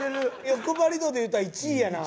欲張り度でいったら１位やな。